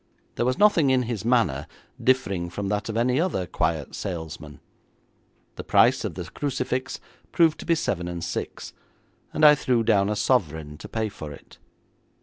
There was nothing in his manner differing from that of any other quiet salesman. The price of the crucifix proved to be seven and six, and I threw down a sovereign to pay for it.